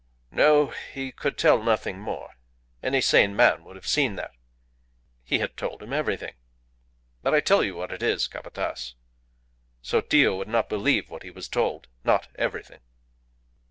"No; he could tell nothing more. Any sane man would have seen that. He had told him everything. But I tell you what it is, Capataz. Sotillo would not believe what he was told. Not everything."